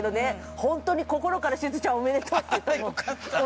本当に心から、しずちゃん、おめでとうって言ったもん。